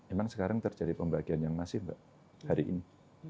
emang sekarang terjadi pembagian yang masih enggak hari ini